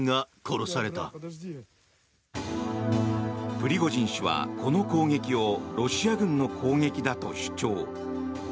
プリゴジン氏はこの攻撃をロシア軍の攻撃だと主張。